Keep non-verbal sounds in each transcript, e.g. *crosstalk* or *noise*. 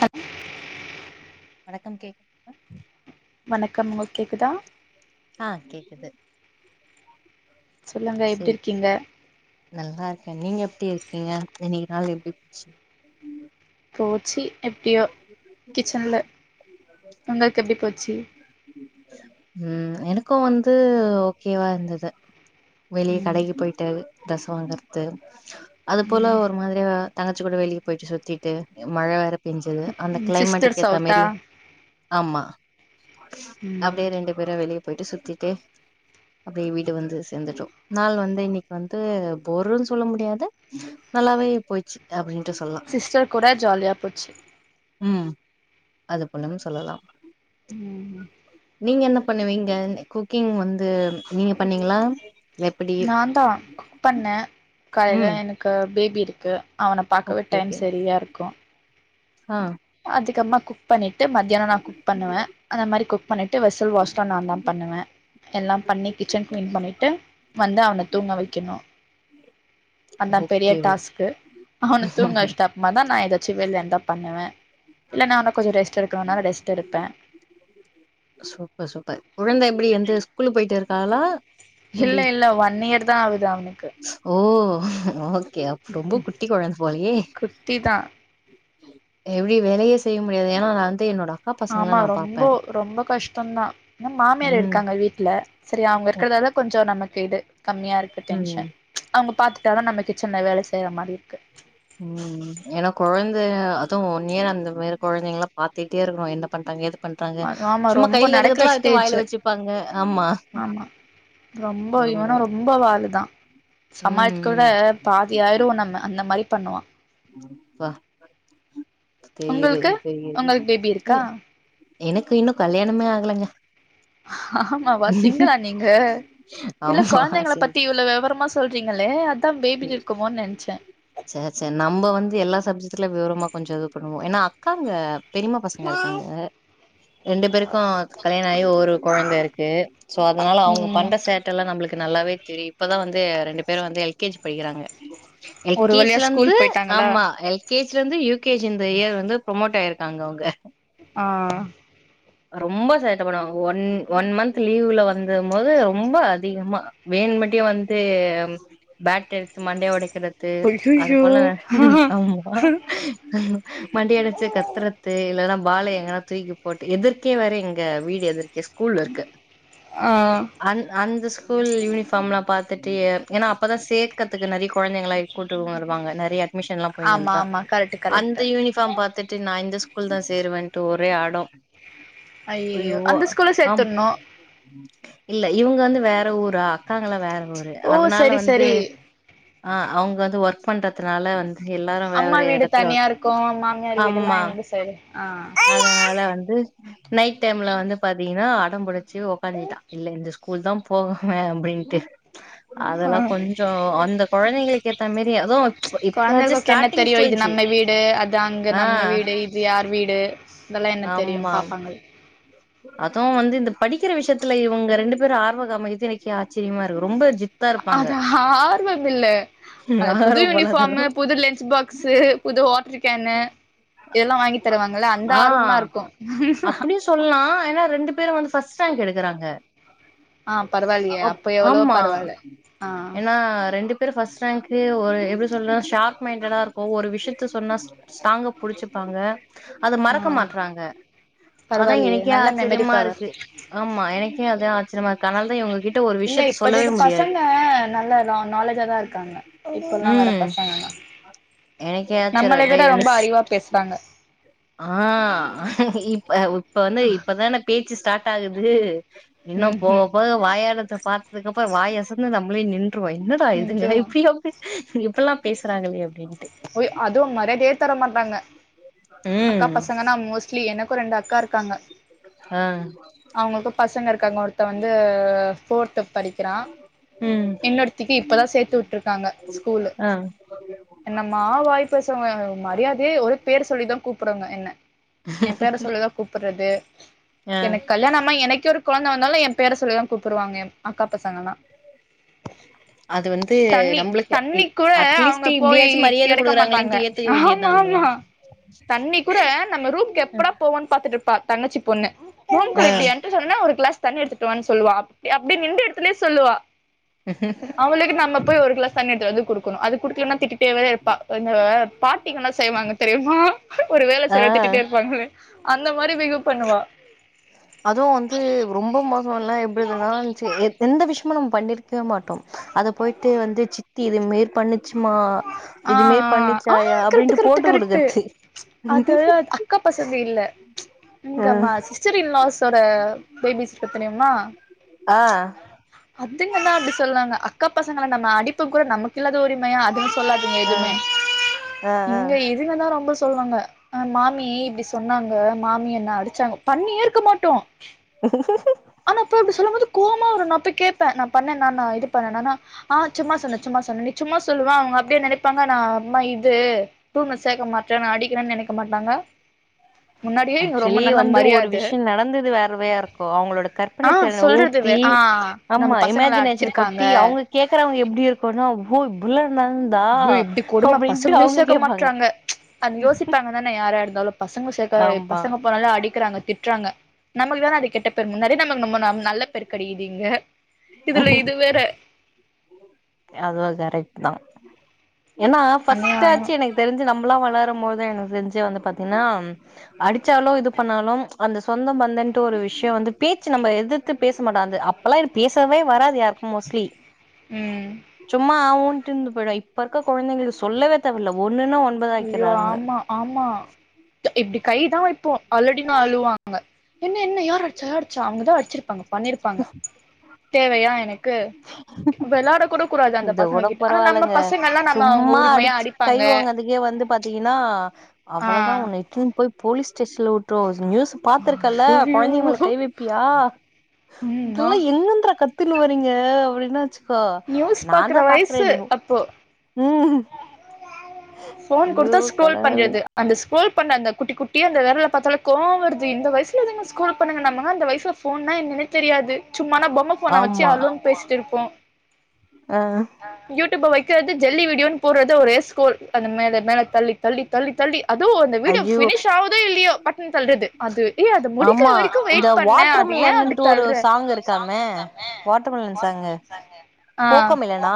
Hello வணக்கம் கேக் அ வணக்கம் உங்ளுக் கேக்குதா அ கேக்குது சொல்லுங்க எப்டி இருக்கீங்க நல்லாருக்கே நீங்க எப்படி இருக்கீங்க இன்னக்கு நாள் எப்டி போச்சு போச்சி எப்டியோ கிச்சன்ல உங்களுக்கு எப்டி போச்சு ம் எனக்கு வந்து ஓகேவா இருந்துது வெளிய ம் கடைக்கு போயிட்டு தஸ் வாங்கற்து அது போல ம் ஒரு மாதுரியா தங்கச்சி கூட வெளிய போயிட்டு சுத்திட்டு மழ வேற பேஞ்சிது அந்த ம் சிஸ்டர்ஸ் க்ளைமேட்டுக்கு ஏத்த அவுட்டா மாரி ஆமா ம் அப்டே ரெண்டு பேரு வெளிய பொய்ட்டு சுத்திட்டு அப்டே வீடு வந்து சேந்துட்டோ நாள் வந்து இன்னக் வந்து போரு சொல்ல முடியாது நல்லாவே போச்சு அப்டின் சி்ஸ்டர் கூட ஜால்யா போச்சு ம் அது பொலன் சொல்லலா ம் ம் நீங்க என்ன பண்ணுவீங்க குக்கிங் வந்து நீங்க பண்ணீங்களா எப்புடி நான்தா குக் பண்ணே காலைல எனக்கு பேபி இருக்கு அவன பாக்கவே டைம் சரியா இருக்கு அ அதிகமா குக் பண்ணிட்டு மத்தியானோ நா குக் பண்ணுவே அந்த மாரி குக் பண்ணிட்டு வெசல் வாஷ்லம் நாந்தா பண்ணுவ எல்லா பண்ணி கிச்சன் கிளீன் பண்ணிட்டு வந்து அவன தூங்க வக்கிணு அதா பெரிய ஓகே ஓ டாஸ்க்கு அவன தூங்க வச்சுட்டா அப்புறமாதா நா எதாச்சு வேல இருந்தா பண்ணுவ இல்ல நா இன்னா கொஞ்ச ரெஸ்ட் எடுக்கணும்னா ரெஸ்ட் எடுப்ப சூப்பர் சூப்பர் குழந்த எப்டி எந்து ஸ்கூல் போயிட்டு இருக்காளா எப்படி இல்ல இல்ல ஒன் இயர் தா ஆவுது அவுனு ஓ ஓகே அப்போ ரொம்ப குட்டி கொழந் போலயே குட்டி தா எப்டி வேலயே செய்ய முடியாது ஏன்னா நா வந்து என்னோட அக்கா பசங்கள ஆமா நான் ரொம்ப பாப்பேன் ரொம்ப கஷ்டம்தான் ஏ மாமியார் ம் இருக்காங்க வீட்ல சரியா அவங்க ஒ இருக்கிறதால கொஞ்சம் நமக்கு இது கம்மியா இருக்கு ம் டென்ஷன் அவங்க பாத்து தான் நம்ம கிச்சன்ல வேலை செய்யற மாரி இருக்கு ம் ம் ஏன்னா குழந்தை அதுவும் ஒன் இயர் அந்த மாரி குழந்தைங்கல்லாம் பார்த்துட்டே இருக்கணும் என்ன பண்றாங்க எது பண்றாங்க ஆமா சும்மா ரொம்ப கையில நடக்கற இருக்கறதுலா எடுத்து ஸ்டேஜ் வாயில வச்சுப்பாங்க ஆமா ஆமா ரொம்ப இவனும் ரொம்ப வாலு தான் சமாளத்து ம் கூட ம் பாதி ஆயிருவோம் நம்ம அந்த மாரி பண்ணுவா ப்ப தெரியது உங்களுக்கு தெரியது உங்களுக்கு பேபி இருக்கா இல்ல எனக்கு இன்னும் கல்யாணமே ஆகலங்க ஆமாவா சிங்கிளா நீங்க இல்ல ஆமா குழந்தைங்க பத்தி சரி இவ்வளவு விவரமா சொல் ங்களே ச ச நம்ம வந்து எல்லா சப்ஜெக்ட்ல விவரமா கொஞ்சம் இது ப ஏனா அக்காங்க பெரியமா பசங்க இருக்காங்க ரெண்டு பேருக்கும் கல்யாணம் ஆகி ஒரு குழந்தை இருக்கு சோ அதனால அவங்க ம் பண்ற சேட்டை எல்லாம் நம்மளுக்கு க்கு நல்லாவே தெரியும் இப்பதான் வந்து ரெண்டு பேரும் வந்து எல்கேஜி படிக்கிறாங்க ஒரு வழியா எல்கேஜில இருந்து ஸ்கூல் போயிட்டாங்களா ஆமா எல்கேஜில இருந்து யூகேஜி இந்த இயர் வந்து ப்ரொமோட் ஆயிருக் தாங்க அவங்க ஆ ரொம்ப சேட்ட பண்ணுவாங்க ஒன் ஒன் மந்த் லீவ்ல வந்த போது ரொம்ப அதிகமா வே மட்டும் வந்து பேட் எடுத்து மண்டை ஒடை கத்துறது அது அய்யய்யோ போல ஆமா மண்ட அடைச்சு கத்தறது இல்லனா பாலை எங்கன்னா தூக்கி போட்டு எதற்கே வேற எங்க வீடு எதிர்க் ஸ்கூல் இருக்கு ஆ அ அந்த ஸ்கூல் யூனிபார்ம் எலாம் பாத் ட்டு ஏன்னா அப்பதான் சேர்க்கத்துக்கு நறைய குழந்தைங்களளை கூட்டுங்க வருவாங்க நறைய அட்மிஷன்லாம் ஆமா போய்ன்னருந்தா ஆமா கரெக்ட் கரெக்ட் அந்த யுனிபார்ம் பார்த்துட்டு நான் இந்த ஸ்கூல் தான் சேருவேன்ட்டு ஒரே அடம் ஐயயோ அய்யோ அந்த ஸ்கூல்ல ஆம் சேத்துர்ணு இல்ல இவங்க வந்து வேற ஊரா அக்காங்களா வேற ஊரு ஓ அதனால சரி வந்து சரி ஆ அவங்க வந்து ஒர்க் பண்றதுனால வந்து எல்லாரும் வேற அம்மா வேற வீடு எடத்துல தனியா ஓர்க் இருக்கு மாமியார் வீடுல்லா ஆமா இந்த சைடு ஆ அதனால வந்து நைட் டைம்ல வந்து பாத்தீங்கன்னா அடம்புடிச்சு உக்காந்துட்டான் இல்ல இந்த ஸ்கூல் தான் போவே அப்படின்னு *unintelligible* அதெல்லா கொஞ்சம் அந்த குழந்தைகளுக்கு ஏத்த மாரி எதுவும் இப்பாச்சும் கொழந்தைகளுக்கு என்ன ஸ்டார்ட்டிங் தெரியு இது ஸ்டேஜ் நம்ம வீடு அத அங்க நம்ம வீடு இது யார் வீடு இதெல்லா என்ன தெரியும் பார்ப்பாங்க அதுவும் வந்து இந்த படிக்கிற விஷயத்துல இவங்க ரெண்டு பேரும் ஆர்வக காமிகிறது எனக்கு ஆச்சரியமா இருக்கு ரொம்ப ஜித்தா இருப்பாங்க அது ஆர்வம் இல்ல அ புது ஆர்வ யூனிஃபார்ம் கோலாதலு புது லன்ச் பாக்ஸ்ு புது வாட்டர் கேனு இதெல்லா வாங்கி தருவாங்கல்ல அந்த ஆ ஆர்வமா இருக்கு அப்படிய சொல்லலாம் ஏன்னா ரெண்டு பேரும் வந்து் ஃபர்ஸ்ட் கேடுக்குறா ஆ பரவாயில்லையே அப்ப எவ்வளவோ ஆமா பரவால்ல ஆ ஏன்னா ரெண்டு ர் ஃபர்ஸ்ட் ரேங்க் ஒரு எப்படி சொன்னா ஷார் மைண்டடா இருக்கும் ஒரு விஷயத்த சொன்னா ஸ்ட்ராங்கா புடிச்சுப்பாங்க அத மறக்க ஆ மாட்றாங்க அதான் பரவாயில்லையே எனக்கே நல்ல மெமரி ஆச்சரியமா பவர் இருக்கு ஆமா எனக்கே அதான் ஆச்சரியமா இருக்கு ஆனால்தான் இவங்ககிட்ட ஒரு இல்ல விஷயத்த சொல்லவே இப்பதுக்கு முடியாது பசங்க நல்லது நாலேஜா தான் இருக்காங்க இப்பல்லாம் வற பசங்கல்லாம் எனக்குே ஆச்ச ர ரொம்ப அறிவா பேசுறாங்க ஆ இப்ப இப்ப வந்து இப்பதானே பேச்சு ஸ்டார்ட் ஆகுது இன்னும் ம் போக ம் போக வாயடத்தை பார்த்ததுக் அப்புறம் வாயசந்து நம்மளே நின்று என்னதான் இதுங்க நிஜமா எப்பயும் எப்பல்லாம் பேசுறாங்களே அப்படின்னு ஒய் அதூ மர்யாதே தர மாட்டாங்க அக்கா ம் பசங்கனா மோஸ்ட்லி எனக்கூ ரெண்டு அக்கா இருக்காங்க ஆ அவங்களுக்கூ பசங்கருக்காங்க ஒருத்த வந் அ ஃபோர்த்துப் படிக்கிறா ம் இன்னொருத்திக்கி இப்பதா சேத்துவுட்ருக்காங்க ஸ்கூலு ஆ என்னமா வாய் பேசுவாங்க மர்யாதையே ஒரே பேர் சொல்லிதா கூப்புட்றாங்க என்ன எ பேர சொல்லிதா கூப்புறது ஆ எனக் கல்யாணோ ஆனா எனக்கே ஒரு கொழந்த வந்தாலு எ பேர சொல்லிதா கூப்புடுவாங்க அக்கா பசங்கல்லா அது வந்து தண்ணி நம்மளுக்கு தண்ணி இப் கூட அட்லீஸ்ட் அவுங்கப் போயி இப்டியாச்சு மரியாத எடுக்க மாட்டாங்க குடுக்குறாங்களேன்ட்டு ஏத்துக்க ஆமா வேண்டியதுதா ஆமா நம்மல்லா தண்ணி கூட நம்ம ரூம்கெப்படா போவோன் பாத்துட்டுப் பா தங்கச்சி பொண்ணு ரூம்குள்ள ஆ இப்டி என்டர் சொன்னா ஒரு க்ளாஸ் தண்ணி எடுத்துட்டுவான் சொல்லுவா அப் அப்டியே நின்ட எடத்துலயே சொல்லுவா அவளுக்கு நம்ம போய் ஒரு க்ளாஸ் தண்ணி எடுத்து வந்து குடுக்கணு அது குடுக்லனா தேவலே இருப்பா இந்த பாட்டிங்கலா செய்வாங்க தெரியுமா ஒரு வேல செயலா ஆ திட்டிட்டே இருப்பாங்களே அந்த மாத்ரி பிகு பண்ணுவா சோன்னெ எப்டிதுங்ளான்ச்சி எத் எந்த விஷ் மோ நாங் பண்ணிருக்கவே மாட்டோ அத போயிட்டு வந்து சித்தி இதுமேர் பண்ணி சுமா ஆ இதுமேய் ஆ பண்ணிச்சாயா கரெக்ட் அப்டின்ட்டு கரெக்ட் போட்டு கரெக்ட் குடுக்கச்சி அது அக்கா பசங்க இல்ல ம் உங்கம்மா சிஸ் சரின் லாஸோட பேபிஸ் இருக்கூ தெரியுமா ஆ அதுங்கலா அப்டி சொல்லுவாங்க அக்கா பசங்கள நம்ம அடிப்போ கூட நமக்கில்லாத உரிமையா அதுங்க சொல்லாதுங்க ஆ எதுமே ஆ ஆ இங்க இதுங்க தா ரொம்ப ஸ் சொல்லுவாங்க அ மாமி இப்டி சொன்னாங்க மாமி என்ன அடிச்சாங்க பண்ணியே இருக்க மாட்டோ உ ஆனா போட்டு சொல்லும் போது கோவமா வரூ நா போய் கேப்பே நா பண்ணேனா நா இது பண்ணேனானா ஆ சும்மா சொன்னே சும்மா சொன்ன நீ சும்மா சொல்லுவே அவுங்க அப்டியே நெனைப்பாங்க நா அம்மா இது ரூம்ல சேக்க மாட்டே நா அடிக்கிறேன் நெனைக்கம் மாட்டாங்க முன்னாடியே இங்க ரொம்ப ஆக்சுலி நல்ல வந்து ஒரு மரியாத விஷ்யோ நடந்தது வேறவ்யா இருக்கூ அவுங்களோட ஆ கற்பனை திறன சொல்றது வே ஊத்தி ஆ நம்ம ஆமா பசங்கள இமேஜினேஷன் அடிச்சிருக்காங்க கொட்டி அவுங்க கேக்குறவுங்க எப்டிருக் கோனா போ புல்லட் ஐயோ இப்டி கொடும பசங்ளையோ அவங்க சேக்க கேப்பாங்க. மாட்றாங்க அது யோசிப்பாங்க தானே யார்யார் தாலோ பசங்க சேக்க ஆமா பசங்க போனாலே அடிக்குறாங்க திட்றாங்க நம்ளுக் வேற அது கெட்டப் பேர் முன்னாடியே நம்ம நொம்ம நா நல்ல பேர் கெடக்கிது இங்க இதுல இது வேற அதுவு கரக்ட் தா ஏனா அநியாயோ ஃபஸ்டாச்சி எனக் தெரிஞ்சி நம்மலா வளர மோது எனக் தெரிஞ்சி வந்து பாத்திங்னா அடிச்சாலு இது பண்ணாலும் அந்த சொந்த பந்தன்ட்டு ஒரு விஷ் ஷ்யோ வந்து பேச்சு நம்ப எதுத்து பேச மாட்டோ அந்த அப்பல்லா எனக் பேசவே வராது யார்க்கூ மோஸ்ட்லி ம் சும்மா ஆ ஊன்ட்டுந்து போய்டுவோ இப்பருக்க கொழந்தைங்கள சொல்லவே தேவல்ல ஒர் ஐயோ ஆமா ஆமா இப்டி கை தா வெப்போ அலடின் அழுவாங்க என்ன என்ன யார் அட்ச்சா அட்ச்சா அவுங்கதா அடிச்சிருப்பாங்க பண்ணிருப்பாங்க தேவயா எனக்கு வெளாட கூடக் கூடாது அந்தப் இது பசங்க கூட கிட்ட ஆனா நம்ப பரவால்லங்க பசங்கல்லா நம்ப அவுங்க சும்மா உரிமயா அடிச்சு கை அடிப்பாங்க வாங்கதுக்கே வந்து பாத்திங்கின்னா ஆ அவ்வளதா உன்ன இட்டுன் போய் போலிஸ் ஸ்டேஷ்ன்ல உட்ருவோ நியூஸ்ஸு பாத்துருக்கல்ல ஐயோ கொழந்திங்க மேல கைவெப்பியா ம்மா இதல்லா எங்கிந்துரா கத்துன்னு வரிங்க அப்டின்னா வச்சிக்கோ நியூஸ் நா பாக்குற தா வயசு பாக்றேன்னே அப்போ ம் ஃபோன் ஐயோ குடுத்தா ஸ்க்ரோல் கடவுளே பண்றது அந்த ஸ்க்ரோல் பண்ண அந்த குட்டி குட்டியா அந்த வெரலப் பாத்தாலே கோவோ வருது இந்த வயசுல இதுங்க ஸ்க்ரோல் பண்ணுங்க நம்ம அந்த வயஸ்ல ஃபோன்னா என்னன்னே தெரியாது சும்மான பொம்ம ஃபோன வச்சி ஆமா அலோன் பேசிட்டு இருக்கு ஆ யூடியூப வை க்கிறது ஜெல்லி வீடியோன் போடறது ஒரே ஸ்க்ரோல் அந்த மேல மேல தள்ளித் தள்ளித் தள்ளித் தள்ளி அது அந்த வீடியோ ஐயோ ஃபினிஷ் ஆவுதோ இல்லியோ பட்டுன் தள்றது அது ஏ அது முடிக்கிற ஆமா வரிக்கு இந்த வெயிட் பண்ணே வாட்டர் அத் ஏ அப்டித் மிலன்ட்டு ஒரு தள்ற சாங் இருக்காமே வாட்டர் மிலன் சாங்கு ஆ கோக்கோ மிலனா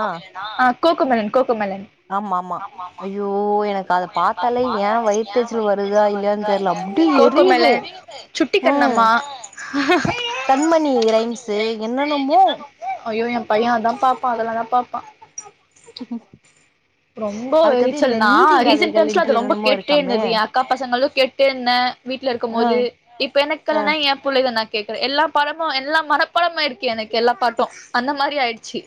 அ கோக்கோமெலன் கோக்கோமெலன் ஆம்மாமா ஐயோ என் எனக்கு அத பத்தாலே ஏ வயித்தெரிச்சல் வருதா இல்லயான் தெர்ல அப்டி எரியிது நம்மா கண்மணி ரைம்ஸு என்னென்னமோ ஐயோ எம் பைய அதா பாப்பா அதல்லாந்தா பாப்பா ரொம்ப அதுக்கது எரிச்சல் இந்த நா நீதி ரீசன்ட் டைம்ஸ்ல கதைகள்ன்ட்டு அது ரொம்ப என்னென்னமோ இருக்காமே கேட்டேர்ந்தது எ அக்கா பசங்களு கேட்டே இர்ந்த ஆ வீட்லருக்குமோது இப்ப எனக் ஆ கல்யாணாயி எம் புள்ளைகன கேக்கற எல்லா பாடமு எல்லா மனப்பாடமாயிருக்கு எனக்கு எல்லா பாட்டு அந்த மாரி ஆயிட்ச்சி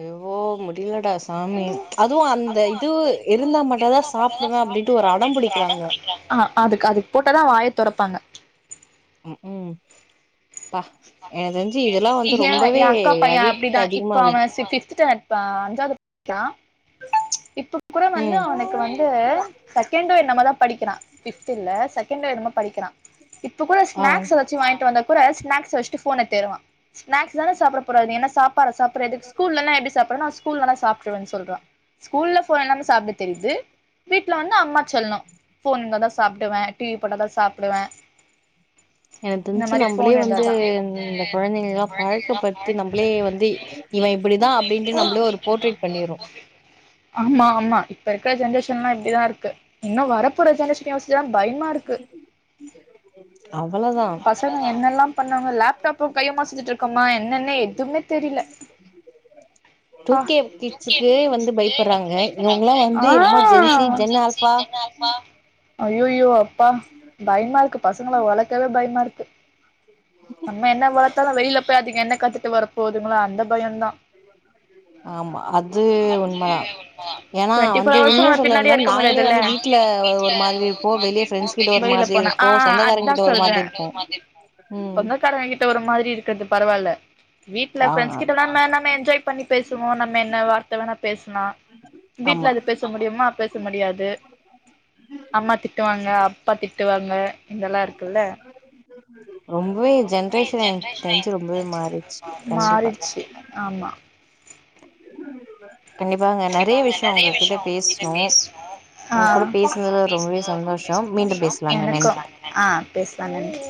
ஐயோ முடில டா சாமி அதுவு அந்த இது இருந்தா மட்டுந்தா சாப்டுவே அப்டின்ட்டு ஒரு அடம் புடிக்கறாங்க ஆ அதுக் அது போட்டதா வாய தொறப்பாங்க ம் உ ப்பா எனக்கு தெரிஞ்சு இதெல்லா வந்து ஏ எ ரொம்பவே அக்கா பைய அடிக்ட் அப்டிதா இப்ப அதிகமாகுது அவ ஸி ஃபிஃப்த்து ஸ்டான்டர்டு அஞ்சாது படிக்கிறா இப்ப கூட வந்து ம் அவுனுக்கு வந்து செகண்டோ என்னமோ தா படிக்கிறா ஃபிஃப்த்து இல்ல செகண்டோ என்னமோ படிக்கிறா இப்ப கூட ஆ ஸ்நாக்ஸ் எதாச்சி வாங்கிட்டு வந்தா கூட ஸ்நாக்ஸ் வெச்ட்டு ஃபோன் எத் ருவா ஸ்நாக்ஸ் தான சாப்ட போறா நீ என்ன சாப்பாடா சாப்புர்ற எதுக் ஸ்கூலல்லா எப்டி சாப் ற நா ஸ்கூலல்லா சாப்ட்ருவன் சொல்றா ஸ்கூல்ல ஃபோன் இல்லாம சாப்ட தெரிது வீட்ல வந்து அம்மா செல்லோ ஃபோன் இர்ந்தா தா சாப்டுவே டி வி போட்டா தா சாப்டுவ எனக் தெர்ஞ்சி நம்பளே வந்து இந்த குழந்தைங்களெலா பழக்கப்படுத்தி நம்பளே வந்து இவ இப்டிதா அப்டின்ட்டு நம்பளே ஒரு போர்ட்ரேய்ட் பண்ணிர்ரோ ஆம்மா ஆம்மா இப்பருக்குற ஜென்ரேஷன்லா இப்டிதாருக்கு இன்னு வரப்போற ஜென்ரேஷ்ன யோசிச்சா பய்மாருக்கு அவ்வளதா பசங்க என்னல்லா பண்ணாங்கோ லேப் டாப்பு கையுமா சுத்திட்ருக்கோமா என்னன்னே எதுமே தெரில *inaudible* டூ ப்பா கே கிட்ஸுக்கே வந்து பயப்படுறாங்க இவங்கலா வந்து என்னமோ ஜென் சி ஜென் ஆல்ஃபா உம் அய்யய்யோ அப்பா பயமா இருக்கு பசங்கள வளக்கவே பயமா இருக்கு நம்ம என்ன வளத்தாலு வெளியில போய் அதுங்க என்ன கத்துட்டு வரப் போதுங்களோ அந்த பயந்தா ஆமா அது உண்மதா ஏனா டுவெண்டி ஃபோர் வந்து ஹவர்ஸு உண்மைய நம்ம பின்னாடியே சொல்லனுனா இருக்க நாங்களே முடியாதுல்ல வந்து வீட்ல ஒரு மாதிரி இருப்போ வெளியே ஃப்ரெண்ட்ஸ் கிட்ட ஒரு மாதி ரி இருப்போ சொந்தகாரங்க கிட்ட ஒரு மாதி இருப்போ சொந்தக்காரங்ககிட்ட ஒரு மாதிரி இருக்குறது பரவால்ல வீட்ல ஆ ஃப்ரெண்ட்ஸ் கிட்டலா நா நம்ம என்ஜாய் பண்ணி பேசுவோ நம்ம என்ன வார்த்த வேணா பேசனா ஆமா வீட்ல அது பேச முடியுமா பேச முடியாது அம்மா திட்டுவாங்க அப்பா திட்டுவாங்க இதெல்லா இருக்குல்ல ரொம்பவே ஜென்ரேஷன் என்க்கு தெரிஞ்சு ரொம்பவே மாறிச்சி கண்டிப்பா மாறிடுச்சு ஆமா கண்டிப்பாங்க விஷயோ நெறைய உங்ககிட்ட விஷய உங்க கிட்ட பேசுனோ பேசனு ஆ உங்க கூட உங்க கூட பேசுனதுல ரொம்பவே பேசுனது ரொம்ப வே சந்தோஷோ சந்தோஷ மீண்டும் பேசலாங்க எனக்கு ஆ பேசலாங்க நன்றி ஆ பேசலா நன்றி